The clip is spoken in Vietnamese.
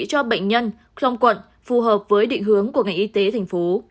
cho bệnh nhân trong quận phù hợp với định hướng của ngành y tế thành phố